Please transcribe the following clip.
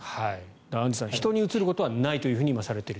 アンジュさん人にうつることはないと今、されている。